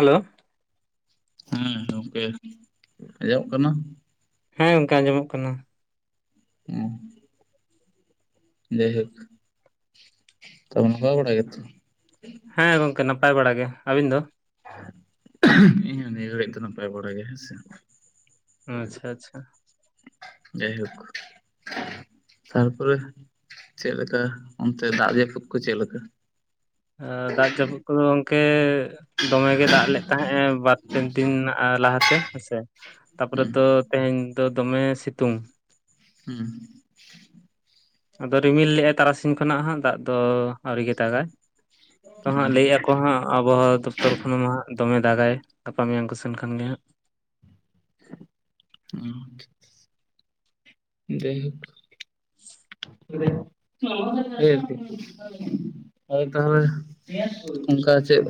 Hello. ᱦᱮᱸ ᱜᱚᱝᱠᱮ ᱟᱡᱚᱢ ᱠᱟᱱᱟ ᱾ ᱦᱮᱸ ᱜᱚᱝᱠᱮ ᱟᱸᱡᱚᱢᱚᱜ ᱠᱟᱱᱟ ᱾ ᱦᱮᱸ ᱡᱟᱭᱦᱳᱠ ᱛᱟᱞᱦᱮ ᱱᱟᱯᱟᱭ ᱠᱟᱲᱟ ᱜᱮᱛᱚ ᱦᱮᱸ ᱜᱚᱝᱠᱮ ᱱᱟᱯᱟᱭ ᱵᱟᱲᱟ ᱜᱮ ᱾ ᱟᱹᱵᱤᱱ ᱫ? ᱤᱧ ᱦᱚᱸ ᱱᱤᱭᱟᱹᱜᱷᱟᱹᱲᱤᱡ ᱫᱚ ᱱᱟᱯᱟᱭ ᱵᱟᱲᱟ ᱜᱮ ᱦᱮᱸ ᱥᱮ ᱾ ᱟᱪᱪᱷᱟ ᱟᱪᱪᱷᱟ ᱾ ᱡᱟᱭᱦᱳᱠ ᱛᱟᱨᱯᱚᱨᱮ ᱪᱮᱫ ᱞᱮᱠᱟ ᱚᱱᱛᱮ ᱫᱟᱜ ᱡᱟᱹᱯᱩᱫ ᱠᱚ ᱪᱮᱫ ᱞᱮᱠᱟ? ᱫᱟᱜ ᱡᱟᱹᱯᱩᱫ ᱠᱚᱫᱚ ᱜᱚᱝᱠᱮ ᱫᱚᱢᱮ ᱜᱮ ᱫᱟᱜ ᱞᱮᱫ ᱛᱟᱦᱮᱸᱜ ᱵᱟ ᱯᱮᱱ ᱴᱤᱱ ᱞᱟᱦᱟᱛᱮ ᱦᱮᱸᱥᱮ ᱛᱟᱯᱚᱨᱮ ᱦᱩᱸ ᱫᱚ ᱛᱮᱦᱮᱧ ᱫᱚ ᱫᱚᱢᱮ ᱥᱤᱛᱩᱝ ᱾ ᱦᱩᱸ ᱟᱫᱚ ᱨᱤᱢᱤᱞ ᱞᱮᱫᱟᱭ ᱛᱟᱨᱟᱥᱤᱧ ᱠᱷᱚᱱᱟᱜ ᱦᱟᱸᱜ ᱫᱟᱜ ᱫᱚ ᱟᱹᱣᱨᱤ ᱜᱮ ᱫᱟᱜᱟ ᱛᱚ ᱦᱟᱸᱜ ᱦᱩᱸ ᱞᱟᱹᱭᱮᱫ ᱚ ᱦᱟᱸᱜ ᱟᱵᱚᱦᱟᱣᱟ ᱫᱚᱯᱛᱚᱨ ᱠᱷᱚᱱᱢᱟ ᱦᱟᱸᱜ ᱫᱚᱢᱮ ᱫᱟᱜᱟᱭ ᱜᱟᱯᱟ ᱢᱮᱭᱟᱝ ᱠᱚ ᱥᱮᱱ ᱠᱷᱟᱱ ᱜᱮ ᱦᱟᱸᱜ ᱦᱮᱸ ᱡᱟᱭᱦᱳᱠ [inaudible] [unintelligible] ᱦᱳᱭ ᱛᱟᱦᱚᱞᱮ ᱚᱱᱠᱟ ᱪᱮᱫ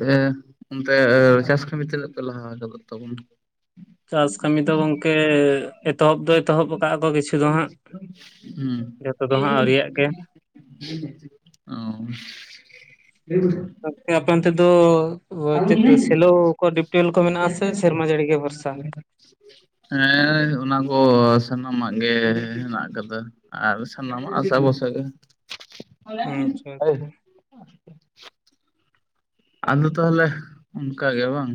ᱚᱱᱛᱮ ᱪᱟᱥ ᱠᱟᱹᱢᱤ ᱛᱤᱱᱟᱹᱜ ᱯᱮ ᱞᱟᱦᱟ ᱟᱠᱟᱫ ᱛᱟᱵᱚᱱᱟ? ᱪᱟᱥ ᱠᱟᱹᱢᱤ ᱫᱚ ᱜᱚᱝᱠᱮ ᱮᱛᱚᱦᱚᱵ ᱫᱚ ᱮᱛᱚᱦᱚᱵ ᱟᱠᱟᱫᱼᱟ ᱠᱚ ᱠᱤᱪᱷᱩᱼᱼ ᱦᱩᱸ᱾ ᱫᱚ ᱦᱟᱸᱜ ᱟᱹᱣᱨᱤᱭᱟᱜ [unintelligible] ᱜᱮ ᱚ [unintelligible] ᱼᱼ ᱜᱚᱝᱠᱮ ᱟᱯᱮ ᱚᱱᱛᱮ ᱫᱚᱼᱼ ᱪᱮᱫ ᱥᱮᱞᱳ ᱠᱚ ᱰᱤᱯᱴᱩᱣᱮᱞ ᱠᱚ ᱢᱮᱱᱟᱜᱼᱟ ᱥᱮ ᱥᱮᱨᱢᱟ ᱡᱟᱹᱲᱤ ᱜᱮ ᱵᱷᱚᱨᱥᱟᱼᱼ [unintelligible] ᱼᱼ ᱦᱮᱸ ᱚᱱᱟ ᱠᱚ ᱥᱟᱱᱟᱢᱟᱜ ᱜᱮ ᱦᱮᱱᱟᱜ ᱟᱠᱟᱫᱟ ᱾ ᱟᱨ ᱥᱟᱱᱟᱢᱟᱜ ᱟᱥᱟ ᱵᱷᱚᱨᱥᱟ ᱜᱮᱼᱼ ᱦᱩᱸ ᱟᱪᱪᱷᱟ ᱟᱪᱪᱷᱟ ᱟᱫᱚ ᱛᱟᱦᱚᱞᱮ ᱚᱱᱠᱟ ᱜᱮ ᱵᱟᱝᱼᱼ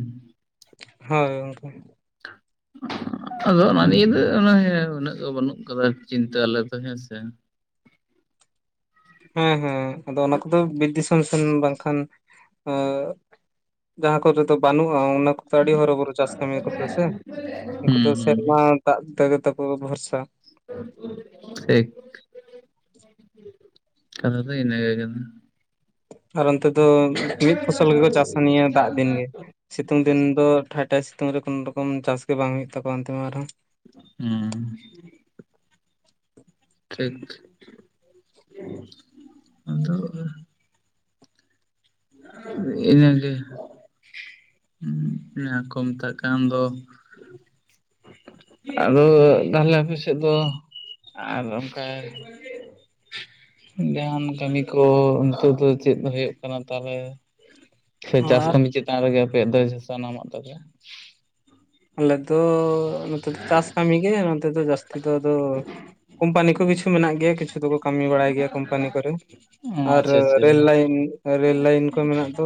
ᱦᱳᱭ ᱜᱚᱝᱠᱮ ᱾ ᱟᱫᱚ ᱚᱱᱟ ᱱᱤᱭᱮ ᱫᱚ ᱩᱱᱟᱹᱜ ᱫᱚ ᱵᱟᱹᱱᱩᱜ ᱠᱟᱫᱟ ᱪᱤᱱᱛᱟᱹ ᱟᱞᱮ ᱫᱚ ᱦᱮᱸ ᱥᱮᱼᱼ ᱦᱮᱸ ᱦᱮᱸ ᱟᱫᱚ ᱚᱱᱟ ᱠᱚᱫᱚ ᱵᱤᱨ ᱫᱤᱥᱚᱢ ᱥᱮᱱ ᱵᱟᱝᱠᱷᱟᱱᱼᱼ ᱡᱟᱦᱟᱸ ᱠᱚᱨᱮ ᱫᱚ ᱵᱟᱹᱱᱩᱜᱼᱟ ᱚᱱᱟ ᱠᱚᱼᱼ ᱛᱚ ᱟᱹᱰᱤ ᱦᱚᱨᱚ ᱵᱚᱨᱚ ᱪᱟᱥ ᱠᱟᱹᱢᱤ ᱠᱚᱫᱚ ᱦᱮᱸᱥᱮ ᱩᱱᱠᱩ ᱦᱩᱸ ᱦᱩᱸ ᱥᱮᱨᱢᱟ ᱫᱟᱜ ᱛᱮᱜᱮ ᱛᱟᱠᱚ ᱵᱷᱚᱨᱥᱟᱼᱼ ᱴᱷᱤᱠ᱾ ᱠᱟᱛᱷᱟ ᱫᱚ ᱤᱱᱟᱹ ᱜᱮ ᱠᱟᱱᱟ ᱾ ᱟᱨ ᱚᱱᱛᱮ ᱫᱚ ᱢᱤᱫ ᱯᱷᱚᱥᱚᱞ ᱜᱮ ᱠᱚ ᱪᱟᱥᱟ ᱱᱤᱭᱟᱹ ᱫᱟᱜ ᱫᱤᱱ ᱜᱮᱼᱼ ᱥᱤᱛᱩᱝ ᱫᱤᱱ ᱫᱚ ᱴᱷᱟᱭ ᱴᱷᱟᱭ ᱥᱤᱛᱩᱝ ᱨᱮ ᱠᱳᱱᱳ ᱨᱚᱠᱚᱢ ᱪᱟᱥ ᱜᱮ ᱵᱟᱝ ᱦᱩᱭᱩᱜ ᱛᱟᱠᱚᱣᱟ ᱚᱱᱛᱮ ᱢᱟ ᱟᱨᱦᱚᱸ ᱾ ᱦᱮᱸ ᱾ ᱴᱷᱤᱠ [unintelligible] ᱟᱫᱚᱼᱼ ᱤᱱᱟᱹᱜᱮᱼᱼ ᱦᱮᱸ ᱚᱱᱟ ᱠᱚ ᱢᱮᱛᱟᱜ ᱠᱟᱱ ᱫᱚᱼᱼ ᱟᱫᱚ ᱛᱟᱦᱚᱞᱮ ᱟᱯᱮ ᱥᱮᱫ ᱫᱚ ᱟᱨ ᱚᱱᱠᱟᱼᱼ ᱡᱟᱦᱟᱱ ᱠᱟᱹᱢᱤ ᱠᱚ ᱱᱤᱛᱚᱜ ᱫᱚ ᱪᱮᱫ ᱦᱩᱭᱩᱜ ᱠᱟᱱᱟ ᱛᱟᱦᱚᱞᱮᱼᱼ ᱥᱮ ᱪᱟᱥ ᱟᱨ ᱠᱟᱹᱢᱤ ᱪᱮᱛᱟᱱ ᱨᱮᱜᱮ ᱟᱯᱮᱭᱟᱜ ᱫᱚ ᱥᱟᱱᱟᱢᱟᱜ ᱛᱟᱯᱮ? ᱟᱞᱮ ᱫᱚ ᱱᱚᱛᱮ ᱫᱚ ᱪᱟᱥ ᱠᱟᱹᱢᱤ ᱜᱮ ᱱᱚᱛᱮ ᱫᱚ ᱡᱟᱹᱥᱛᱤ ᱫᱚ ᱟᱫᱚ ᱠᱚᱢᱯᱟᱱᱤ ᱠᱚ ᱠᱤᱪᱷᱩᱼᱼ ᱢᱮᱱᱟᱜ ᱜᱮᱭᱟ ᱠᱤᱪᱷᱩ ᱫᱚᱠᱚ ᱠᱟᱹᱢᱤ ᱵᱟᱲᱟᱭ ᱜᱮᱭᱟ ᱠᱳᱢᱯᱟᱱᱤ ᱠᱚᱨᱮ ᱚ ᱟᱨ ᱟᱪᱪᱷᱟ ᱨᱮᱞ ᱟᱪᱪᱷᱟ ᱞᱟᱭᱤᱱᱼᱼ ᱨᱮᱹᱞ ᱞᱟᱭᱤᱱ ᱠᱚ ᱢᱮᱱᱟᱜ ᱫᱚᱼᱼ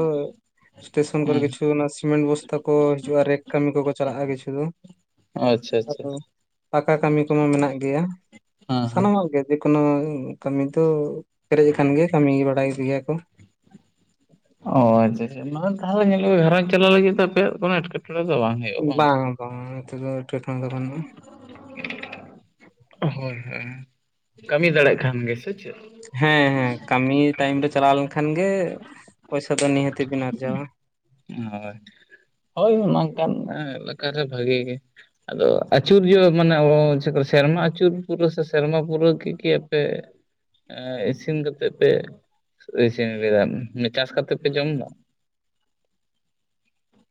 ᱥᱴᱮᱥᱚᱱ ᱠᱚᱨᱮ ᱦᱮᱸ ᱠᱤᱪᱷᱩ ᱚᱱᱟ ᱥᱤᱢᱮᱱᱴ ᱵᱚᱥᱛᱟ ᱠᱚ ᱦᱤᱡᱩᱜᱼᱟ ᱨᱮᱠ ᱠᱟᱹᱢᱤ ᱠᱚᱠᱚ ᱪᱟᱞᱟᱜᱼᱟ ᱠᱤᱪᱷᱩ ᱫᱚ᱾ ᱟᱪᱪᱷᱟ ᱟᱨ ᱟᱪᱪᱷᱟ᱾ ᱯᱟᱠᱟ ᱠᱟᱹᱢᱤ ᱠᱚᱢᱟ ᱢᱮᱱᱟᱜ ᱜᱮᱭᱟ ᱦᱮᱸ ᱥᱟᱱᱟᱢᱟᱜ ᱜᱮ᱾ ᱡᱮᱠᱳᱱᱳ ᱠᱟᱹᱢᱤ ᱫᱚ ᱯᱮᱨᱮᱡ ᱟᱠᱟᱱ ᱜᱮᱭᱟ ᱠᱟᱹᱢᱤ ᱵᱟᱲᱟᱭ ᱜᱮᱭᱟ ᱠᱚ᱾ ᱚ ᱟᱪᱪᱷᱟ ᱟᱪᱪᱷᱟ ᱱᱚᱜᱚᱭ ᱛᱟᱦᱚᱞᱮ ᱧᱮᱞᱚᱜᱼᱟ ᱜᱷᱟᱨᱚᱸᱡᱽ ᱪᱟᱞᱟᱣ ᱞᱟᱹᱜᱤᱫ ᱛᱮ ᱟᱯᱭᱟᱜ ᱠᱚᱱᱚ ᱮᱴᱠᱮᱴᱚᱸᱬᱮ ᱫᱚ ᱵᱟᱝ ᱦᱩᱭᱩᱜᱼᱟ᱾ ᱵᱟᱝ? ᱵᱟᱝᱟ ᱵᱟᱝᱟ ᱱᱚᱛᱮ ᱫᱚ ᱮᱴᱠᱮᱴᱚᱸᱬᱮ ᱫᱚ ᱵᱟᱱᱩᱜᱼᱟ᱾ ᱦᱳᱭ ᱦᱳᱭ ᱦᱳᱭ ᱠᱟᱹᱢᱤ ᱫᱟᱲᱮᱭᱟᱜ ᱠᱷᱟᱱ ᱜᱮ ᱥᱮ ᱪᱮᱫᱼᱼ ᱦᱮᱸ ᱦᱮᱸ ᱠᱟᱹᱢᱤ ᱴᱟᱭᱤᱢ ᱨᱮ ᱪᱟᱞᱟᱣ ᱞᱮᱱᱠᱷᱟᱱ ᱜᱮ ᱯᱚᱭᱥᱟ ᱫᱚ ᱱᱤᱦᱟᱹᱛ ᱵᱤᱱ ᱟᱨᱡᱟᱣᱟ ᱾ ᱦᱳᱭ ᱦᱳᱭ ᱱᱚᱝᱠᱟᱱ ᱮᱞᱟᱠᱟᱨᱮ ᱵᱷᱟᱜᱤ ᱜᱮ ᱾ ᱟᱫᱚ ᱟᱹᱪᱩᱨ ᱡᱚᱦᱚᱜ ᱢᱟᱱᱮ ᱪᱮᱫ ᱥᱮᱨᱢᱟ ᱟᱹᱪᱩᱨ ᱯᱩᱨᱟᱹ ᱥᱮ ᱥᱮᱨᱢᱟ ᱯᱩᱨᱟᱹᱣ ᱠᱤ ᱠᱮ ᱟᱯᱮᱼᱼ ᱤᱥᱤᱱ ᱠᱟᱛᱮᱫ ᱯᱮ, ᱤᱥᱤᱱ ᱤᱧ ᱞᱟᱹᱭ ᱮᱫᱟ ᱪᱟᱥ ᱠᱟᱛᱮᱜ ᱯᱮ ᱡᱚᱢ ᱮᱫᱟ?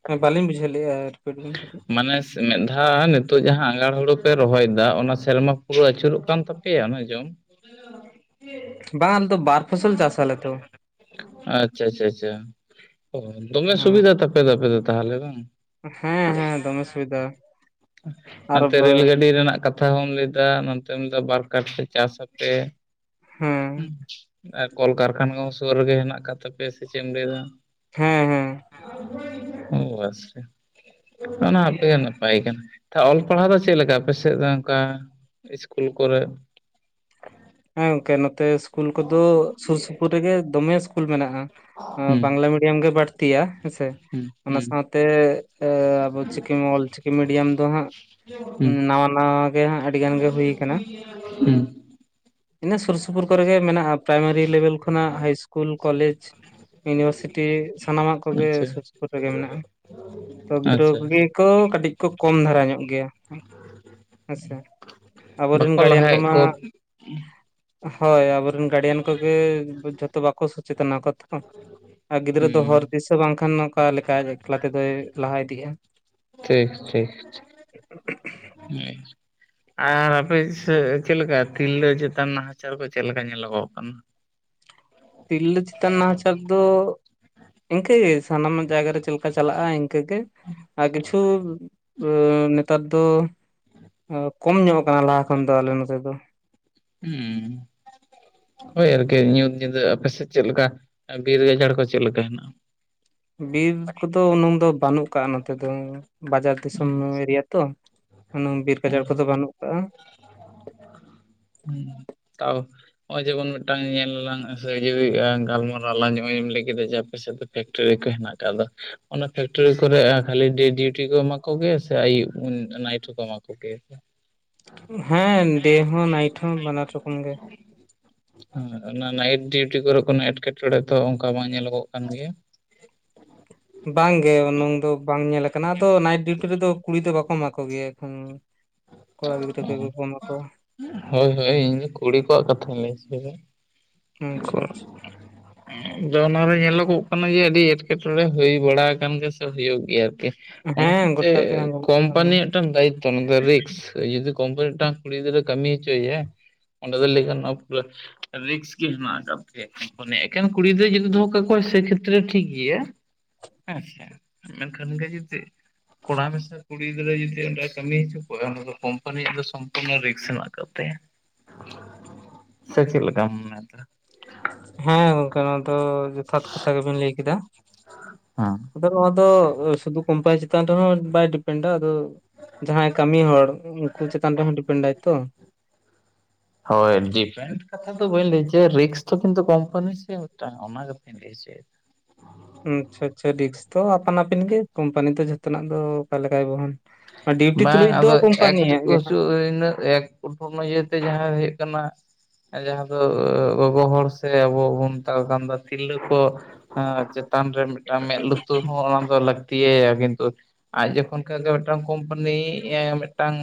ᱦᱮ ᱵᱟᱹᱞᱤᱧ ᱵᱩᱡᱷᱟᱹᱣ ᱞᱮᱫᱼᱟ ᱨᱤᱯᱤᱴ ᱵᱮᱱ ᱠᱟᱹᱴᱤᱡ? ᱢᱟᱱᱮ ᱢᱤᱫ ᱫᱷᱟᱣ ᱱᱤᱛᱚᱜ ᱡᱟᱦᱟᱸ ᱟᱸᱜᱷᱟᱬ ᱦᱩᱲᱩ ᱯᱮ ᱨᱚᱦᱚᱭᱮᱫᱟ ᱚᱱᱟ ᱥᱮᱨᱢᱟ ᱯᱩᱨᱟᱹ ᱟᱹᱪᱩᱨᱚᱜ ᱠᱟᱱ ᱛᱟᱯᱮᱭᱟ? [inaudible] ᱚᱱᱟ ᱡᱚᱢᱼᱼ ᱵᱟᱝ ᱟᱞᱮ ᱫᱚ ᱵᱟᱨ ᱯᱷᱚᱥᱚᱞ ᱪᱟᱥᱼᱼ ᱟᱪᱪᱷᱟ ᱟᱪᱪᱷᱟ ᱟᱪᱪᱷᱟ [unintelligible] ᱫᱚᱢᱮ ᱦᱮᱸ ᱥᱩᱵᱤᱫᱷᱟ ᱛᱟᱯᱮᱼᱼ ᱟᱯᱮ ᱫᱚ ᱛᱟᱦᱚᱞᱮ ᱵᱟᱝᱼᱼ ᱦᱮᱸ ᱦᱮᱸ ᱫᱚᱢᱮ ᱥᱩᱵᱤᱫᱷᱟ ᱟᱨᱼᱼ [unintelligible] ᱞᱟᱹᱭ ᱮᱫᱟ ᱱᱚᱛᱮᱢ ᱞᱟᱹᱭ ᱮᱫᱟ ᱵᱟᱨ [unintelligible] ᱪᱟᱥ ᱟᱯᱮᱼᱼ ᱦᱮᱸ ᱟᱨ ᱠᱚᱞᱠᱟᱨᱠᱷᱟᱱᱟ ᱠᱚ ᱥᱩᱨ ᱨᱮᱜᱮ ᱦᱮᱱᱟᱜ ᱟᱠᱟᱫ ᱛᱟᱯᱮᱭᱟ ᱥᱮ ᱪᱮᱫ ᱮᱢ ᱞᱟᱹᱭ ᱮᱫᱟᱼᱼ ᱦᱮᱸ ᱦᱮᱸ᱾ [unintelligible] ᱟᱪᱪᱷᱟ᱾ ᱚᱱᱟᱯᱮ ᱱᱟᱯᱟᱭ ᱠᱟᱱᱟ ᱚᱞ ᱯᱟᱲᱦᱟᱣ ᱫᱚ ᱪᱮᱫ ᱞᱮᱠᱟ ᱟᱯᱮ ᱥᱮᱫ ᱫᱚ ᱚᱱᱠᱟ? ᱤᱥᱠᱩᱞ ᱠᱚᱨᱮ ᱾ ᱦᱮᱸ ᱜᱚᱝᱠᱮ ᱱᱚᱛᱮ ᱤᱥᱠᱩᱞ ᱠᱚᱫᱚ ᱥᱩᱨ ᱥᱩᱯᱩᱨ ᱨᱮᱜᱮ ᱫᱚᱢᱮ ᱤᱥᱠᱩᱞ ᱢᱮᱱᱟᱜᱼᱟ ᱦᱩᱸ ᱵᱟᱝᱼ ᱢᱤᱰᱤᱭᱟᱢ ᱜᱮ ᱵᱟᱹᱲᱛᱤᱭᱟ᱾ ᱦᱮᱸ ᱥᱮ ᱦᱩᱸ ᱚᱱᱟ ᱦᱩᱸ ᱥᱟᱶᱛᱮ ᱟᱵᱚ ᱪᱤᱠᱤ ᱚᱞ ᱪᱤᱠᱤ ᱢᱤᱰᱤᱭᱟᱢ ᱫᱚ ᱦᱟᱸᱜ ᱼᱼ ᱦᱩᱸ ᱱᱟᱣᱟ ᱱᱟᱣᱟ ᱜᱮ ᱟᱹᱰᱤ ᱜᱟᱱ ᱜᱮ ᱦᱩᱭ ᱟᱠᱟᱱᱟ ᱾ ᱦᱩᱸ ᱾ ᱤᱱᱟᱹ ᱥᱩᱨ ᱥᱩᱯᱩᱨ ᱠᱚᱨᱮ ᱜᱮ ᱢᱮᱱᱟᱜᱼᱟ ᱯᱨᱟᱭᱢᱟᱨᱤ ᱞᱮᱵᱮᱞ ᱠᱷᱚᱱᱟᱜ ᱦᱟᱭ ᱤᱥᱠᱩᱞ ᱠᱚᱞᱮᱡᱽ᱾ ᱤᱭᱩᱱᱤᱵᱷᱟᱨᱥᱤᱴᱤ ᱥᱟᱱᱟᱢᱟᱜ ᱠᱚᱜᱮ ᱟᱪᱪᱷᱟ ᱥᱩᱨ ᱥᱩᱯᱩᱨ ᱨᱮᱜᱮ ᱢᱮᱱᱟᱜᱼᱟ᱾ ᱛᱚ ᱜᱤᱫᱽᱨᱟᱹ ᱟᱪᱪᱷᱟ ᱠᱚᱜᱮ ᱠᱚ ᱠᱟᱹᱴᱤᱡ ᱠᱚ ᱠᱚᱢ ᱫᱷᱟᱨᱟ ᱧᱚᱜ ᱜᱮᱭᱟ᱾ ᱟᱪᱪᱷᱟ ᱟᱵᱚᱨᱮᱱ ᱵᱟᱠᱚ ᱜᱟᱨᱰᱤᱭᱟᱱ ᱞᱟᱦᱟᱭᱮᱫ ᱠᱚᱢᱟᱼᱼ ᱠᱚ ᱦᱳᱭ ᱟᱵᱚᱨᱮᱱ ᱜᱟᱨᱰᱤᱭᱟᱱ ᱠᱚᱜᱮ ᱡᱷᱚᱛᱚ ᱵᱟᱠᱚ ᱥᱚᱪᱮᱛᱱᱟ ᱠᱚ ᱛᱚ᱾ ᱟᱨ ᱜᱤᱫᱽᱨᱟᱹ ᱫᱚ ᱦᱩᱸ ᱦᱚᱨ ᱫᱤᱥᱟᱹ ᱵᱟᱝᱠᱷᱟᱱ ᱚᱠᱟ ᱞᱮᱠᱟ ᱮᱠᱞᱟ ᱛᱮᱫᱚᱭ ᱞᱟᱦᱟ ᱤᱫᱤᱜᱼᱟ᱾ ᱴᱷᱤᱠ ᱴᱷᱤᱠ ᱦᱩᱸᱼᱼ ᱟᱨ ᱟᱯᱮ ᱥᱮᱫ ᱪᱮᱫ ᱞᱮᱠᱟ ᱛᱤᱨᱞᱟᱹ ᱪᱮᱛᱟᱱ ᱱᱟᱦᱟᱪᱟᱨ ᱠᱚ ᱪᱮᱫ ᱞᱮᱠᱟ ᱧᱮᱞᱚᱜᱚᱜ ᱠᱟᱱᱟ? ᱛᱤᱨᱞᱟᱹ ᱪᱮᱛᱟᱱ ᱱᱟᱦᱟᱪᱟᱨ ᱫᱚᱼᱼ ᱤᱱᱠᱟᱹᱜᱮ ᱥᱟᱱᱟᱢ ᱡᱟᱭᱜᱟ ᱨᱮ ᱪᱮᱫ ᱞᱮᱠᱟ ᱪᱟᱞᱟᱜᱼᱟ ᱤᱱᱠᱟᱹᱜᱮ ᱟᱨ ᱠᱤᱪᱷᱩ ᱼᱼ ᱱᱮᱛᱟᱨ ᱫᱚ ᱠᱚᱢ ᱧᱚᱜ ᱠᱟᱱᱟ ᱞᱟᱦᱟ ᱠᱷᱚᱱ ᱫᱚ ᱟᱞᱮ ᱱᱚᱛᱮ ᱫᱚ᱾ ᱦᱩᱸᱻ ᱦᱳᱭ ᱟᱨᱠᱤ ᱧᱩᱛ ᱧᱤᱫᱟᱹ ᱟᱯᱮ ᱥᱮᱫ ᱪᱮᱫ ᱞᱮᱠᱟ ᱵᱤᱨ ᱜᱟᱡᱟᱲ ᱠᱚ ᱪᱮᱫ ᱞᱮᱠᱟ ᱦᱮᱱᱟᱜᱼᱟ? ᱵᱤᱨ ᱠᱚᱫᱚ ᱩᱱᱟᱹᱝ ᱫᱚ ᱵᱟᱹᱱᱩᱜ ᱟᱠᱟᱜᱼᱟ ᱱᱚᱛᱮ ᱫᱚ᱾ ᱵᱟᱡᱟᱨ ᱫᱤᱥᱚᱢ ᱮᱨᱤᱭᱟ ᱛᱚ ᱩᱱᱟᱹᱝ ᱵᱤᱨ ᱜᱟᱡᱟᱲ ᱠᱚᱫᱚ ᱵᱟᱹᱱᱩᱜ ᱟᱠᱟᱜᱼᱟ ᱾ ᱦᱩᱸ ᱛᱟᱣᱼᱼ ᱱᱚᱜᱼᱚᱭ ᱡᱮᱢᱚᱱ ᱢᱤᱫᱴᱟᱝ ᱧᱮᱞ ᱟᱞᱟᱝ ᱥᱮ ᱡᱩᱫᱤ ᱜᱟᱞᱢᱟᱨᱟᱣ ᱟᱞᱟᱝᱼ ᱱᱚᱜᱼᱚᱭ ᱮᱢ ᱞᱟᱹᱭ ᱠᱮᱫ ᱫᱚ ᱡᱮ ᱟᱯᱮ ᱥᱮᱫᱼᱼ ᱯᱷᱮᱠᱴᱚᱨᱤ ᱠᱚ ᱦᱮᱱᱟᱜ ᱟᱠᱟᱫ ᱫᱚ, ᱚᱱᱟ ᱯᱷᱮᱠᱴᱚᱨᱤ ᱠᱚᱨᱮ ᱠᱷᱟᱞᱹᱤ ᱰᱤᱭᱩᱴᱤ ᱠᱚ ᱮᱢᱟ ᱠᱚ ᱜᱮ ᱥᱮ ᱟᱭᱩᱵ ᱱᱟᱭᱤᱴ ᱦᱚᱠᱚ ᱮᱴᱟᱜ ᱠᱚᱜᱮᱭᱟ? ᱦᱮᱸ ᱰᱮ ᱦᱚᱸ ᱱᱟᱭᱤᱴ ᱦᱚᱸ ᱵᱟᱱᱟᱨ ᱨᱚᱠᱚᱢ ᱜᱮ ᱾ ᱦᱮ ᱚᱱᱟ ᱱᱟᱭᱤᱴ ᱰᱤᱭᱩᱴᱤ ᱠᱚᱨᱮ ᱠᱚᱱᱚ ᱮᱴᱠᱮᱴᱚᱬᱮ ᱛᱚ ᱚᱱᱠᱟ ᱵᱟᱝ ᱧᱮᱞᱚᱜᱚᱜ ᱠᱟᱱ ᱜᱮᱭᱟ ᱾ ᱵᱟᱝ ᱜᱮ ᱩᱱᱟᱝ ᱫᱚ ᱵᱟᱝ ᱧᱮᱞ ᱟᱠᱟᱱᱟ ᱟᱫᱚ ᱱᱟᱭᱤᱴ ᱰᱤᱭᱩᱴᱤ ᱨᱮᱫᱚ ᱠᱩᱲᱤ ᱫᱚ ᱵᱟᱠᱚ ᱮᱢᱟ ᱠᱚᱜᱮᱭᱟ ᱮᱠᱷᱚᱱ ᱾ ᱚ ᱦᱳᱭ ᱦᱳᱭ ᱤᱧ ᱫᱚ ᱠᱩᱲᱤ ᱠᱚᱣᱟᱜ ᱠᱟᱛᱷᱟᱧ ᱞᱟᱹᱭ ᱦᱚᱪᱚᱭ ᱫᱟ ᱾ ᱟᱪᱪᱷᱟ ᱟᱪᱪᱷᱟ ᱾ [inaudible] ᱟᱫᱚ ᱚᱱᱟᱨᱮ ᱧᱮᱞᱚᱜᱚᱜ ᱠᱟᱱᱟ ᱡᱮ ᱟᱹᱰᱤ ᱮᱴᱠᱮᱴᱚᱬᱮ ᱦᱩᱭ ᱵᱟᱲᱟ ᱟᱠᱟᱱ ᱜᱮᱭᱟ ᱥᱮ ᱦᱩᱭᱩᱜ ᱜᱮᱭᱟ ᱟᱨᱠᱤᱼᱼ ᱚᱱᱟ ᱦᱮᱸ ᱠᱷᱟᱹᱛᱤᱨ ᱛᱮ ᱜᱚᱴᱟ ᱜᱮ ᱟᱸᱡᱚᱢᱚᱜ ᱠᱟᱱᱟ ᱠᱳᱢᱯᱟᱱᱤ ᱢᱤᱫᱴᱟᱝ ᱫᱟᱭᱤᱛᱛᱚ ᱢᱮᱱ ᱫᱚ ᱨᱤᱠᱥ ᱾ ᱡᱤᱫᱤ ᱠᱚᱢᱯᱟᱱᱤ ᱢᱤᱫᱴᱟᱝ ᱠᱩᱲᱤ ᱜᱤᱫᱽᱨᱟᱹ ᱠᱟᱹᱢᱤ ᱦᱚᱪᱚ ᱮᱭᱟᱭ ᱚᱸᱰᱮ ᱫᱚ ᱞᱟᱹᱭ ᱜᱟᱱᱚᱜ-ᱟ ᱯᱩᱨᱟ. ᱨᱤᱠᱥ ᱼᱼ ᱜᱮ ᱦᱮᱱᱟᱜ ᱟᱠᱟᱫ ᱜᱮᱭᱟ ᱠᱚᱢᱯᱟᱱᱤᱭᱟᱜ, ᱮᱠᱷᱮᱱ ᱠᱩᱲᱤ ᱜᱤᱫᱟᱹᱨ ᱡᱩᱫᱤ ᱫᱚᱦᱚ ᱠᱟᱠᱚᱣᱟ ᱥᱮ ᱠᱷᱮᱛᱨᱮ ᱴᱷᱤᱠ ᱜᱮᱭᱟ᱾ ᱦᱮᱸ ᱥᱮ ᱢᱮᱱ ᱠᱷᱟᱱ ᱜᱚᱢᱠᱮ ᱡᱩᱫᱤ ᱠᱚᱲᱟ ᱢᱮᱥᱟ ᱠᱩᱲᱤ ᱼᱼ ᱠᱩᱲᱤ ᱜᱤᱫᱽᱨᱟᱹ ᱡᱩᱫᱤ ᱚᱸᱰᱮ ᱠᱟᱹᱢᱤ ᱦᱚᱪᱚ ᱠᱚᱣᱟ ᱚᱱᱟ ᱫᱚ ᱠᱳᱢᱯᱟᱱᱤᱭᱟᱜ ᱫᱚ ᱥᱚᱢᱯᱩᱨᱱᱚ ᱨᱤᱠᱥ ᱦᱮᱱᱟᱜ ᱟᱠᱟᱫ ᱛᱟᱭᱟ ᱾ ᱥᱮ ᱪᱮᱫ ᱞᱮᱠᱟᱢ ᱢᱚᱱᱮᱭᱮᱫᱟ? ᱦᱚᱸ ᱜᱚᱝᱠᱮ ᱱᱚᱣᱟ ᱫᱚ ᱡᱚᱛᱷᱟᱛ ᱠᱟᱛᱷᱟ ᱜᱮ ᱵᱤᱱ ᱞᱟᱹᱭ ᱠᱮᱫᱟ ᱾ [unintelligible] ᱟᱫᱚ ᱱᱚᱣᱟ ᱫᱚ ᱥᱩᱫᱷᱩ ᱠᱳᱢᱯᱟᱱᱤ ᱪᱮᱛᱟᱱ ᱨᱮᱦᱚᱸ ᱵᱟᱭ ᱰᱤᱯᱮᱱᱰᱼᱟ ᱟᱫᱚ ᱼᱼ ᱡᱟᱦᱟᱸᱭ ᱠᱟᱹᱢᱤ ᱦᱚᱲ ᱩᱱᱠᱩ ᱪᱮᱛᱟᱱ ᱨᱮᱦᱚᱸ ᱰᱤᱯᱮᱱᱰᱼᱟᱭ ᱛᱚ᱾ ᱦᱳᱭ ᱰᱤᱯᱮᱱᱰ ᱠᱟᱛᱷᱟ ᱫᱚ ᱵᱟᱹᱧ ᱞᱟᱹᱭ ᱦᱚᱪᱚᱭᱟ, ᱨᱤᱠᱥ ᱫᱚ ᱠᱤᱱᱛᱩ ᱠᱳᱢᱯᱟᱱᱤ ᱥᱮ ᱢᱤᱫᱴᱟᱝ ᱚᱱᱟ ᱠᱟᱛᱷᱟᱧ ᱞᱟᱹᱭ ᱦᱚᱪᱚᱭᱼᱼ [inaudible] ᱟᱪᱪᱷᱟ ᱟᱪᱪᱷᱟ ᱨᱤᱠᱥ ᱛᱚ ᱟᱯᱟᱱ ᱟᱹᱯᱤᱱ ᱜᱮ ᱠᱳᱢᱯᱟᱱᱤ ᱫᱚ ᱡᱷᱚᱛᱚ ᱱᱟᱜ ᱫᱚ ᱚᱠᱟ ᱞᱮᱠᱟᱭ ᱵᱚᱦᱚᱱᱼᱼ ᱵᱟᱝ ᱟᱫᱚ ᱜᱮ [unintelligible] [unintelligible] ᱤᱭᱟᱹᱛᱮ ᱡᱟᱦᱟᱸ ᱦᱩᱭᱩᱜ ᱠᱟᱱᱟᱼᱼ ᱡᱟᱦᱟᱸ ᱫᱚ ᱜᱚᱜᱚ ᱦᱚᱲ ᱥᱮ ᱟᱵᱚ ᱵᱚᱱ ᱢᱮᱛᱟ ᱠᱚ ᱠᱟᱱ ᱫᱚ ᱛᱤᱨᱞᱟᱹ ᱠᱚᱼᱼ ᱦᱚᱸ ᱪᱮᱛᱟᱱ ᱨᱮ ᱢᱤᱫᱴᱟᱝ ᱢᱮᱫ ᱞᱩᱛᱩᱨ ᱦᱚᱸ ᱚᱱᱟ ᱫᱚ ᱞᱟᱹᱠᱛᱤ ᱟᱭᱟ ᱠᱤᱱᱛᱩ ᱟᱡ ᱡᱚᱠᱷᱚᱱ ᱠᱷᱚᱡ ᱜᱮᱼᱼ ᱡᱤᱫᱴᱟᱝ ᱠᱳᱢᱯᱟᱱᱤ [unintelligible] ᱢᱤᱫ ᱴᱟᱝ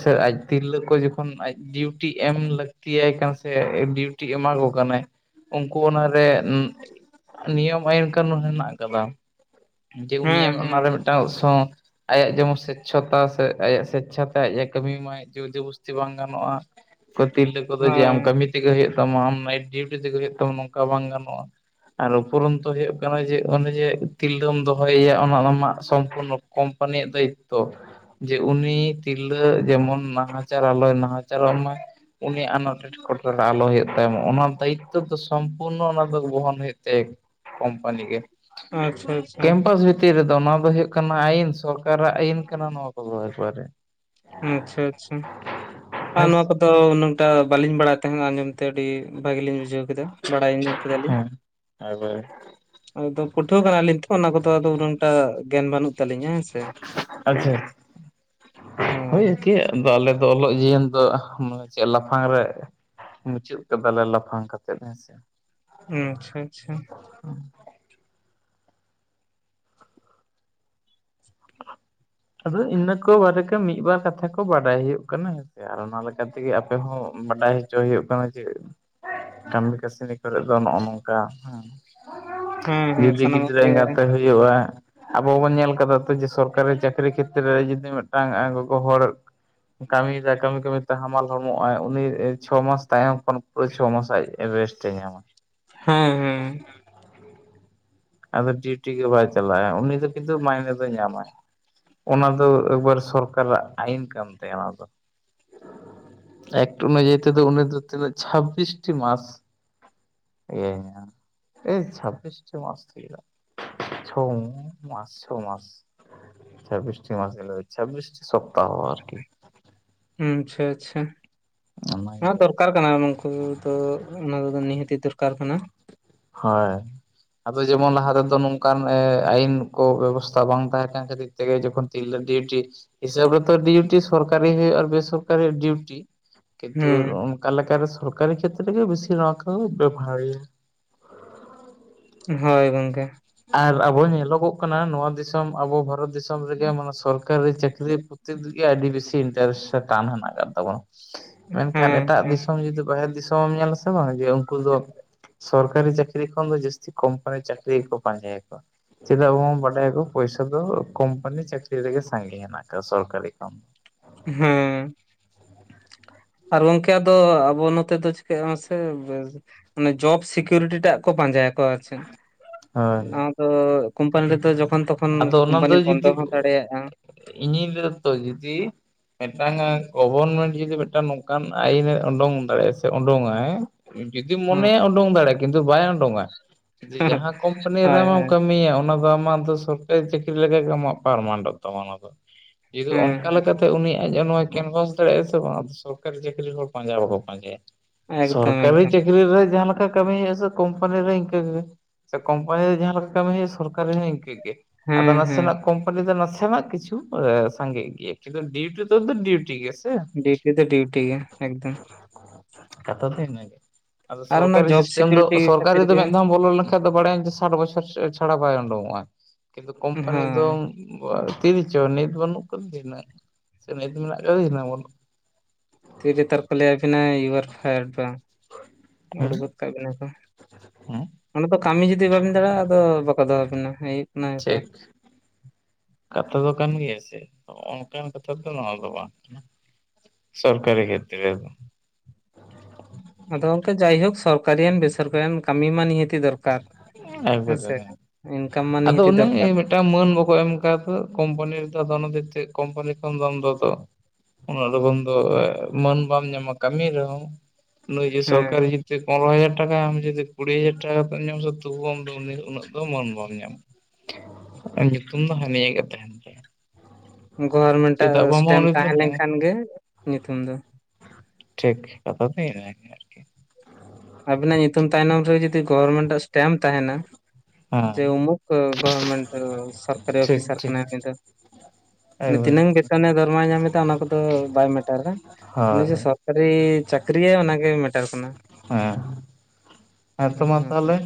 ᱥᱮ ᱟᱡ ᱛᱤᱨᱞᱟᱹ ᱠᱚ ᱡᱚᱠᱷᱚᱱ ᱟᱡ [unintelligible] [unintelligible] ᱮᱢ ᱞᱟᱹᱠᱛᱤ ᱟᱭ ᱠᱟᱱᱟ ᱥᱮ ᱰᱤᱭᱩᱴᱤ ᱮᱢᱟ ᱠᱚ ᱠᱟᱱᱟᱭ ᱩᱱᱠᱩ ᱚᱱᱟᱨᱮ ᱱᱤᱭᱚᱢ ᱟᱭᱤᱱ ᱠᱟᱹᱱᱩᱱ ᱦᱮᱱᱟᱜ ᱠᱟᱫᱟ ᱡᱮ ᱩᱱᱤ ᱦᱟᱸᱜ ᱦᱮᱸ ᱦᱮᱸ ᱚᱱᱟᱨᱮ ᱢᱤᱫ ᱴᱟᱝ ᱥᱚᱝ ᱟᱭᱟᱜ ᱡᱮᱢᱚᱱ ᱥᱮᱪᱷᱚᱛᱟ ᱥᱮ ᱟᱭᱟᱜ ᱥᱮᱪᱪᱷᱟᱛᱮ ᱟᱡ ᱮ ᱠᱟᱹᱢᱤ ᱢᱟᱭ ᱡᱳᱨ ᱡᱵᱚᱥᱛᱤ ᱵᱟᱝ ᱜᱟᱱᱚᱜᱼᱟ [unintelligible] ᱛᱮᱠᱚᱫᱚ ᱡᱮ ᱟᱢ ᱦᱳᱭ ᱠᱟᱹᱢᱤ ᱛᱮᱜᱮ ᱦᱩᱭᱩᱜ ᱛᱟᱢᱟ ᱟᱢ ᱱᱟᱭᱤᱴ ᱰᱤᱩᱴᱤ ᱛᱮᱜᱮ ᱦᱩᱭᱩᱜ ᱛᱟᱢᱟ ᱱᱚᱝᱠᱟ ᱵᱟᱝ ᱜᱟᱱᱚᱜᱼᱟ ᱟᱨ ᱩᱯᱩᱨᱚᱱ ᱛᱚ ᱦᱩᱭᱩᱜ ᱠᱟᱱᱟ ᱡᱮ ᱚᱱᱮ ᱡᱮ ᱛᱤᱨᱞᱟᱹᱢ ᱫᱚᱦᱚᱭ ᱭᱟ ᱚᱱᱟ ᱟᱢᱟᱜ ᱥᱚᱢᱯᱩᱨᱱᱚ ᱠᱚᱢ ᱠᱚᱢᱯᱟᱱᱤ ᱭᱟᱜ ᱫᱟᱭᱤᱛᱛᱚ ᱡᱮ ᱩᱱᱤ ᱛᱤᱨᱞᱟᱹ ᱡᱮᱢᱚᱱ ᱱᱟᱦᱟᱪᱟᱨ ᱟᱞᱚᱭ ᱱᱟᱦᱟᱪᱟ ᱨᱚᱜ ᱢᱟ ᱩᱱᱤ ᱟᱱᱟᱴ [unintelligible] [unintelligible] ᱟᱞᱚ ᱦᱩᱭᱩᱜ ᱛᱟᱭ ᱚᱱᱟ ᱫᱟᱭᱤᱛᱛᱚ ᱫᱚ ᱥᱚᱢᱯᱩᱨᱱᱚ ᱚᱱᱟ ᱫᱚ ᱵᱚᱦᱚᱱ ᱦᱩᱭᱩᱜ ᱛᱟᱭᱟ ᱠᱚᱢᱯᱟᱱᱤ ᱜᱮ ᱟᱪᱪᱷᱟ ᱟᱪᱪᱷᱟ ᱠᱮᱢᱯᱟᱥ ᱵᱷᱤᱛᱤᱨ ᱨᱮᱫᱚ ᱚᱱᱟ ᱫᱚ ᱦᱩᱭᱩᱜ ᱠᱟᱱᱟ ᱟᱭᱤᱱ ᱥᱚᱨᱠᱟᱨ ᱟᱜ ᱟᱭᱤᱱ ᱠᱟᱱᱟ ᱱᱚᱣᱟ ᱠᱚᱫᱚ ᱮᱠᱵᱟᱨᱮ [unintelligible] ᱟᱨ ᱦᱳᱭ ᱱᱚᱣᱟ ᱥᱮ ᱠᱚᱫᱚ ᱩᱱᱟᱝᱴᱟᱜ ᱵᱟᱹᱞᱤᱧ ᱵᱟᱲᱟᱭ ᱛᱟᱦᱮᱸᱱᱟ ᱟᱸᱡᱚᱢ ᱛᱮ ᱟᱹᱰᱤ ᱵᱷᱟᱹᱜᱤ ᱞᱤᱧ ᱵᱩᱡᱷᱟᱹᱣ ᱠᱮᱫᱟ ᱵᱟᱲᱟᱭ ᱧᱚᱢᱮᱱᱟ ᱠᱮᱫᱟᱞᱤᱧ [unintelligible] ᱟᱫᱚ ᱯᱟᱹᱴᱷᱩᱣᱟᱹ ᱠᱟᱱᱟᱞᱤᱧ ᱛᱚ ᱚᱱᱟ ᱠᱚᱫᱚ ᱟᱫᱚ ᱩᱱᱟᱹᱜ ᱴᱟ ᱜᱮᱭᱟᱱ ᱵᱟᱹᱱᱩᱜ ᱛᱟᱹᱞᱤᱧᱟ ᱦᱮᱸ ᱥᱮ ᱟᱪᱪᱷᱟ ᱦᱳᱭ [unintelligible] ᱟᱞᱮ ᱫᱚ ᱚᱞᱚᱜ ᱡᱤᱭᱚᱱ ᱫᱚ [unintelligible] ᱞᱟᱯᱷᱟᱝ ᱨᱮ ᱢᱩᱪᱟᱹᱫ ᱠᱟᱫᱟᱞᱮ ᱞᱟᱯᱷᱟᱝ ᱠᱟᱛᱮᱫ ᱦᱮᱸᱥᱮ ᱦᱩᱸ ᱟᱪᱪᱷᱟ ᱟᱪᱪᱷᱟ [inaudible] ᱟᱫᱚ ᱤᱱᱟᱹ ᱠᱚ ᱵᱟᱨᱮ ᱛᱮ ᱢᱤᱫ ᱵᱟᱨ ᱠᱟᱛᱷᱟ ᱠᱚ ᱵᱟᱰᱟᱭ ᱦᱳᱭᱳᱜ ᱠᱟᱱᱟ ᱟᱨ ᱚᱱᱟ ᱞᱮᱠᱟ ᱛᱮᱜᱮ ᱟᱯᱮ ᱦᱚᱸ ᱵᱟᱰᱟᱭ ᱦᱚᱪᱚ ᱦᱩᱭᱩᱜ ᱠᱟᱱᱟ ᱡᱮ ᱠᱟᱹᱢᱤ ᱠᱟᱹᱥᱱᱤ ᱠᱚᱨᱮᱫ ᱫᱚ ᱱᱚᱜᱼᱚ ᱱᱚᱝᱠᱟ ᱦᱩᱸ ᱦᱮᱸ ᱦᱮᱸ ᱡᱩᱫᱤ ᱥᱟᱱᱟᱢᱟᱜ ᱜᱤᱫᱨᱟᱹ ᱜᱮ ᱮᱸᱜᱟᱛᱮ ᱦᱩᱭ ᱦᱳᱭᱳᱟ ᱟᱵᱚ ᱵᱚᱱ ᱧᱮᱞ ᱠᱟᱫᱟ ᱥᱮ ᱡᱮ ᱥᱚᱨᱠᱟᱨᱤ ᱪᱟᱹᱠᱨᱤ ᱪᱟᱹᱠᱨᱤ ᱠᱷᱮᱛᱨᱮ ᱨᱮ ᱡᱩᱫᱤ ᱢᱤᱫᱴᱟᱝ ᱜᱚᱜᱚ ᱦᱚᱲ ᱠᱟᱹᱢᱤᱮᱫᱟᱭ ᱠᱟᱹᱢᱤ ᱠᱟᱹᱢᱤ ᱛᱮ ᱦᱟᱢᱟᱞ ᱦᱚᱲᱢᱚᱜᱼ ᱟᱭ ᱩᱱᱤ ᱪᱷᱚ ᱢᱟᱥ ᱛᱟᱭᱚᱢ ᱠᱷᱚᱱ ᱪᱷᱚ ᱢᱟᱥ ᱟᱭᱡ ᱨᱮᱥᱴ ᱮ ᱧᱟᱢᱟ ᱦᱮᱸ ᱦᱮᱸ [inaudible] ᱟᱫᱚ ᱰᱤᱩᱴᱤ ᱜᱮ ᱵᱟᱭ ᱪᱟᱞᱟᱜᱼᱟ ᱩᱱᱤ ᱫᱚ ᱠᱤᱱᱛᱩ ᱢᱟᱭᱱᱮ ᱫᱚᱭ ᱧᱟᱢᱟᱭ ᱚᱱᱟ ᱫᱚ ᱮᱠᱵᱟᱨ ᱥᱚᱨᱠᱟᱨᱟᱜ ᱟᱭᱤᱱ ᱠᱟᱱ ᱛᱟᱭᱟ ᱚᱱᱟ ᱫᱚ ᱮᱠᱴᱩ ᱢᱟᱹᱡᱟᱹᱭ ᱛᱮ ᱫᱚ ᱩᱱᱤ ᱫᱚ ᱛᱤᱱᱟᱹᱜ ᱪᱷᱟᱵᱰᱤᱥ ᱴᱤ ᱢᱟᱥ [unintelligible] ᱪᱷᱟᱵᱵᱤᱥᱴᱤ ᱢᱟᱥ ᱪᱷᱚ ᱢᱟ ᱪᱷᱚ ᱢᱟᱥ ᱪᱷᱟᱵᱵᱤᱥᱴᱤ [unintelligible] ᱪᱷᱟᱵᱵᱤᱥᱴᱤ ᱥᱯᱛᱟᱦᱚ ᱟᱨᱠᱤ ᱦᱩᱸ ᱟᱪᱪᱷᱟ ᱟᱪᱪᱷᱟ ᱦᱮ ᱚᱱᱟᱜᱮ ᱫᱚᱨᱠᱟᱨ ᱠᱟᱱᱟ ᱩᱱᱠᱩ ᱫᱚ ᱚᱱᱟ ᱠᱚᱫᱚ ᱱᱤᱦᱟᱹᱛ ᱫᱚᱨᱠᱟᱨ ᱠᱟᱱᱟ ᱦᱳᱭ ᱟᱫᱚ ᱡᱮᱢᱚᱱ ᱞᱟᱦᱟ ᱨᱮᱫᱚ ᱱᱚᱝᱠᱟᱱ ᱟᱭᱤᱱ ᱠᱚ ᱵᱮᱵᱚᱥᱛᱟ ᱵᱟᱝ ᱛᱟᱦᱮᱸ ᱠᱟᱱ ᱠᱷᱟᱹᱛᱤᱨ ᱛᱮᱜᱮ ᱡᱠᱷᱚᱱ ᱛᱤᱨᱞᱟᱹ ᱰᱤᱩᱴᱤ ᱦᱤᱥᱟᱹᱵ ᱨᱮ ᱛᱚ ᱰᱤᱩᱴᱤ ᱥᱚᱨᱠᱟᱨᱤ ᱦᱳᱦᱳᱜ ᱟᱨ ᱵᱮᱥᱚᱨᱠᱟᱨᱤ ᱰᱤᱩᱴᱤ ᱠᱤᱱᱛᱩ ᱦᱩᱸ ᱚᱱᱠᱟ ᱞᱮᱠᱟᱨᱮ ᱥᱚᱨᱠᱟᱨᱤ ᱠᱷᱮᱛᱨᱮ ᱨᱮ ᱜᱮ ᱵᱮᱥᱤ ᱱᱚᱣᱟᱠᱚ ᱵᱮᱵᱷᱟᱨᱮᱭᱟ ᱦᱳᱭ ᱜᱚᱝᱠᱮ ᱟᱨ ᱟᱵᱚ ᱧᱮᱞᱚᱜᱚᱜ ᱠᱟᱱᱟ ᱱᱚᱣᱟ ᱫᱤᱥᱚᱢ ᱟᱵᱚ ᱵᱷᱟᱨᱚᱛ ᱫᱤᱥᱚᱢ ᱨᱮᱜᱮ ᱢᱟᱱᱮ ᱥᱚᱨᱠᱟᱨᱤ ᱪᱟᱹᱠᱨᱤ ᱯᱚᱛᱤ ᱨᱮᱜᱮ ᱟᱹᱰᱤ ᱵᱮᱥᱤ ᱤᱱᱴᱟᱨᱮᱥᱴ ᱴᱟᱱ ᱦᱮᱱᱟᱜ ᱟᱠᱟᱫ ᱛᱟᱵᱚᱱᱟ ᱢᱮᱱᱠᱷᱟᱱ ᱦᱮᱸ ᱮᱴᱟᱜ ᱦᱮᱸ ᱫᱤᱥᱚᱢ ᱡᱩᱫᱤ ᱵᱟᱦᱮᱨ ᱫᱤᱥᱚᱢᱮ ᱮᱢ ᱧᱮᱞᱟ ᱥᱮ ᱵᱟᱝ ᱡᱮ ᱩᱱᱠᱩ ᱫᱚ ᱥᱚᱨᱠᱟᱨᱤ ᱪᱟᱹᱠᱨᱤ ᱠᱷᱚᱱ ᱫᱚ ᱡᱟᱹᱥᱛᱤ ᱠᱚᱢᱯᱟᱱᱤ ᱪᱟᱹᱠᱨᱤ ᱜᱮᱠᱚ ᱯᱟᱸᱡᱟᱭᱟᱠᱚ ᱪᱮᱫᱟᱜ ᱟᱵᱚᱱ ᱵᱟᱰᱟᱭᱟᱠᱚ ᱯᱚᱭᱥᱟ ᱫᱚ ᱠᱳᱢᱯᱟᱱᱤ ᱪᱟᱹᱠᱨᱤ ᱨᱮᱜᱮ ᱥᱟᱸᱜᱮ ᱦᱮᱱᱟᱜ ᱟᱠᱟᱫᱟ ᱥᱚᱨᱠᱟᱨᱤ ᱠᱷᱚᱱ ᱦᱮᱸ ᱟᱨ ᱜᱚᱝᱠᱮ ᱟ ᱫᱚ ᱟᱵᱚ ᱱᱚᱛᱮ ᱫᱚ ᱪᱤᱠᱟᱹᱜ ᱢᱟᱥᱮ ᱢᱟᱱᱮ ᱡᱚᱵ ᱥᱤᱠᱤᱭᱩᱨᱤᱴᱤ ᱴᱟᱜ ᱠᱚ ᱯᱟᱸᱡᱟᱭᱟ ᱠᱚ ᱟ ᱦᱳᱭ ᱫᱚ ᱠᱳᱢᱯᱟᱱᱤ ᱨᱮ ᱛᱚ ᱡ ᱡᱚᱠᱷᱚᱱ ᱛᱚᱠᱷᱚᱱ ᱠᱚᱢᱯᱟᱱᱤ ᱵᱚᱱᱫᱚ ᱦᱚᱸ ᱫᱟᱲᱮᱭᱟᱜᱼᱟ ᱤᱧ ᱞᱤᱧ ᱞᱮ ᱫᱟᱛᱚ ᱡᱩᱫᱤ [unintelligible] ᱢᱤᱫᱴᱟᱝ ᱜᱚᱵᱚᱨᱢᱮᱱᱴ ᱡᱩᱫᱤ ᱢᱤᱫᱴᱟᱝ ᱱᱚᱝᱠᱟᱱ ᱟᱭᱤᱱ ᱮ ᱩᱰᱩᱝ ᱫᱟᱲᱮᱭᱟᱜᱼᱟ ᱥᱮ ᱩᱰᱩᱝ ᱟᱭ ᱡᱩᱫᱤ ᱦᱮᱸ ᱢᱚᱱᱮᱭᱟ ᱩᱰᱩᱝ ᱫᱟᱲᱮᱭᱟᱜᱼᱟ ᱠᱤᱱᱛᱩ ᱵᱟᱭ ᱩᱰᱚᱝᱼᱟ ᱡᱮ ᱡᱟᱦᱟᱸ ᱠᱚᱢᱯᱟᱱᱤ ᱨᱮ ᱦᱳᱭ ᱦᱳᱭ ᱟᱢᱮᱢ ᱦᱮᱸ ᱠᱟᱹᱢᱤᱭᱟ ᱚᱱᱟ ᱫᱚ ᱟᱢᱟᱜ ᱫᱚ ᱥᱚᱨᱠᱟᱨᱤ ᱪᱟᱹᱠᱨᱤ ᱞᱮᱠᱟᱜᱮ ᱟᱢᱟᱜ ᱯᱟᱨᱢᱟᱱᱴᱚᱜ ᱛᱟᱢᱟ ᱚᱱᱟ ᱫᱚ ᱡᱩᱫᱛᱩ ᱚᱱᱠᱟ ᱦᱮᱸ ᱞᱮᱠᱟᱛᱮ ᱩᱱᱤᱭᱟᱜ [unintelligible] ᱟ ᱱᱚᱣᱟ ᱠᱮᱱᱵᱷᱟᱥ ᱫᱟᱲᱮᱭᱟᱜᱼᱟ ᱥᱮ ᱵᱟᱝ ᱥᱚᱨᱠᱟᱨᱤ ᱪᱟᱹᱠᱨᱤ ᱦᱚᱲ ᱯᱟᱸᱡᱟ ᱵᱟᱠᱚ ᱯᱟᱸᱡᱟᱭᱟ ᱮᱠᱫᱚᱢ ᱥᱚᱨᱠᱟᱨᱤ ᱮᱠᱫᱚᱢ ᱪᱟᱹᱠᱨᱤ ᱨᱮ ᱡᱟᱦᱟᱸ ᱞᱮᱠᱟ ᱠᱟᱹᱢᱤ ᱦᱳᱭᱳᱟ ᱥᱮ ᱠᱚᱢᱯᱟᱱᱤ ᱨᱮ ᱤᱱᱠᱟᱹᱜ ᱜᱮ ᱥᱮ ᱠᱢᱯᱟᱱᱤ ᱨᱮ ᱡᱟᱦᱟᱸ ᱞᱮᱠᱟ ᱠᱟᱹᱢᱤ ᱦᱳᱭᱜᱼᱟ ᱥᱚᱨᱠᱟᱨᱤ ᱦᱚᱸ ᱤᱱᱠᱟᱹᱜᱮᱭᱟ ᱟᱫᱚ ᱦᱮᱸ ᱦᱮᱸ ᱱᱟᱥᱮᱱᱟᱜ ᱠᱳᱢᱯᱟᱱᱤ ᱫᱚ ᱱᱟᱥᱮᱱᱟᱜ ᱠᱤᱪᱷᱩ ᱥᱟᱜᱮ ᱜᱮᱤᱭᱟᱹᱠ ᱰᱤᱩᱴᱤ ᱛ ᱫᱚ ᱰᱤᱩᱴᱤ ᱜᱮ ᱥᱮ ᱰᱤᱩᱴᱤ ᱫᱚ ᱰᱤᱩᱴᱤ ᱜᱮ ᱮᱠᱫᱚᱢ ᱠᱟᱛᱷᱟ ᱫᱚ ᱤᱱᱟᱹᱜᱮ ᱟᱫᱚ ᱟᱨ ᱚᱱᱟ ᱥᱚᱨᱠᱟᱨᱤ ᱡᱚᱵ ᱥᱤᱥᱴᱮᱢ ᱫᱚ ᱥᱤᱠᱤᱭᱩᱨᱤᱴᱤ ᱥᱚᱨᱠᱟᱨᱤ ᱠᱷᱟᱹᱛᱤᱨ ᱫᱚ ᱜᱮ ᱢᱤᱫ ᱫᱷᱟᱣ ᱵᱚᱞᱚ ᱞᱮᱱᱠᱷᱟᱱ ᱮᱷᱟ ᱫᱚ ᱵᱟᱲᱟᱭᱟᱢ ᱡᱮ ᱥᱟᱴ ᱵᱚᱪᱷᱚᱨ ᱪᱷᱟᱲᱟ ᱵᱟᱭ ᱩᱰᱩᱠᱚᱜᱼᱟ ᱠᱤᱱᱛᱩ ᱠᱳᱢᱯᱟᱱᱤ ᱫᱚ ᱦᱳᱭ ᱛᱤᱱ ᱪᱚ ᱱᱤᱛ ᱵᱟᱹᱱᱩᱜ ᱟᱠᱟᱫ ᱦᱩᱱᱟᱹᱝ ᱥᱮ ᱱᱤᱛ ᱢᱮᱱᱟᱜ ᱟᱠᱟᱫᱤ ᱦᱱᱟᱹᱝ ᱵᱟᱹᱱᱩᱜ ᱛᱤᱨ ᱱᱮᱛᱟᱨ ᱠᱚ ᱞᱟᱹᱭᱟᱵᱤᱱᱟ ᱤᱭᱩᱟᱨ ᱯᱷᱟᱭᱟᱨ ᱵᱟᱝ ᱦᱮᱸ ᱩᱰᱩ ᱜᱚᱫ ᱠᱟᱜ ᱵᱤᱱᱟ ᱠᱚ ᱦᱮᱸ ᱚᱱᱟ ᱫᱚ ᱠᱟᱹᱢᱤ ᱡᱩᱫᱤ ᱵᱟᱵᱤᱱ ᱫᱟᱲᱮᱭᱟᱜᱼᱟ ᱟᱫᱚ ᱵᱟᱠᱚ ᱫᱚᱦᱚᱵᱤᱱᱟ ᱴᱷᱤᱠ ᱠᱟᱛᱷᱟ ᱫᱚ ᱠᱟᱱ ᱜᱮᱭᱟ ᱥᱮ ᱚᱱᱠᱟᱱ ᱠᱟᱛᱷᱟᱮᱫ ᱱᱚᱣᱟ ᱫᱚ ᱵᱟᱝ ᱠᱟᱱᱟ ᱥᱚᱨᱠᱟᱨᱤ ᱠᱷᱮᱛᱨᱮ ᱨᱮᱫᱚ ᱟᱫᱚ ᱜᱚᱝᱠᱮ ᱡᱟᱭᱦᱳᱠ ᱥᱚᱨᱠᱟᱨᱤᱭᱟᱱ ᱵᱮᱥᱚᱨᱠᱟᱨᱤᱭᱟᱱ ᱠᱟᱹᱢᱤ ᱢᱟ ᱱᱤᱦᱟᱹᱛᱤ ᱫᱚᱨᱠᱟᱨ ᱦᱮᱸ ᱥᱮ ᱤᱱᱠᱟᱢ ᱢᱟ ᱱᱤᱦᱟᱹᱛᱤ ᱫᱚᱨᱠᱟᱨ ᱮᱴᱟᱜ ᱢᱟᱹᱱ ᱵᱟᱠᱚ ᱮᱢ ᱟᱠᱟ ᱫᱚ ᱠᱳᱢᱯᱟᱱᱤ ᱨᱮᱫᱚ ᱫᱚᱱᱫ ᱛᱮ ᱠᱳᱢᱯᱟᱱᱤ ᱠᱷᱚᱱ ᱫᱚᱱ ᱫᱚᱛᱚ ᱩᱱᱟᱹᱜ ᱞᱚᱜᱚᱱ ᱫᱚ ᱢᱟᱹᱱ ᱵᱟᱢ ᱧᱟᱢᱟ ᱠᱟᱹᱢᱤ ᱨᱮᱦᱚᱸᱢ ᱱᱚᱩᱭ ᱡ ᱦᱮᱸ ᱥᱚᱨᱟᱨᱤ ᱡᱛᱮ ᱯᱚᱱᱨ ᱦᱟᱡᱟᱨ ᱴᱟᱠᱟ ᱟᱢ ᱡᱛᱮ ᱠᱩᱲᱤ ᱦᱟᱡᱟᱨ ᱴᱠᱟ ᱧᱟᱢ ᱢ ᱫᱚ ᱩᱱᱤ [unintelligible] ᱩᱱᱟᱹᱜ ᱫᱚ ᱢᱚᱱ ᱵᱟᱢ ᱧᱟᱢᱟ ᱟᱨ ᱧᱩᱛᱩᱢ ᱫᱚ ᱦᱟᱹᱱᱤᱭ ᱜᱮ ᱛᱟᱦᱮᱱᱟ ᱜᱚᱵᱷᱚᱨᱢᱮᱱᱴᱟᱜ ᱵᱟᱝᱢᱟ ᱥᱴᱮᱢ ᱩᱱᱤ ᱫᱚ ᱛᱟᱦᱮᱸ ᱦᱮᱸ ᱞᱮᱱᱠᱷᱟᱱ ᱜᱮ ᱧᱩᱛᱩᱢ ᱫᱚ ᱴᱷᱤᱠ ᱠᱟᱛᱷᱟ ᱫᱚ ᱤᱱᱟᱹᱜᱮ ᱟᱨᱠᱤ ᱟᱵᱤᱱᱟᱜ ᱧᱩᱛᱩᱢ ᱛᱟᱭᱱᱚᱢ ᱨᱮ ᱡᱩᱫᱤ ᱜᱚᱵᱷᱚᱨᱢᱮᱱᱴ ᱟᱜ ᱥᱴᱮᱢ ᱛᱟᱦᱮᱱᱟ ᱡᱮ ᱦᱮᱸ ᱩᱢᱩᱠ ᱜᱚᱢᱮᱱᱴ ᱥᱚᱨᱠᱟᱨᱤ ᱴᱷᱤᱠ ᱚᱯᱷᱤᱥᱟᱨ ᱴᱷᱤᱠ ᱠᱟᱱᱟᱭ ᱩᱱᱤ ᱫᱚ ᱮᱠᱵᱟᱨᱮ ᱛᱤᱱᱟᱹᱝ ᱵᱮᱛᱚᱱᱮ ᱫᱚᱨᱢᱟᱭ ᱧᱟᱢ ᱮᱟ ᱚᱱᱟ ᱠᱚᱫᱚ ᱵᱟᱭ ᱢᱮᱴᱟᱨᱟ ᱩᱱᱤ ᱦᱳᱭ ᱡᱮ ᱥᱨ ᱠᱷᱟᱹᱨᱤ ᱪᱟᱹᱠᱨᱤᱭᱟᱭ ᱚᱱᱟᱜᱮ ᱢᱮᱴᱟᱨ ᱠᱟᱱᱟ ᱦᱮᱸ ᱦᱮᱸᱛᱚ ᱢᱟ ᱦᱮᱸ ᱛᱟᱦᱚᱞᱮ